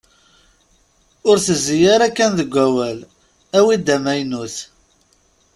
Ur tezzi ara kan deg wawal, awi-d amaynut.